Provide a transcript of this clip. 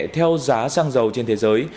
theo giá xăng dầu trên thế giới